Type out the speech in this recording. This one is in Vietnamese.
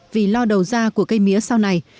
vì lo đầu ra của cây mía sau này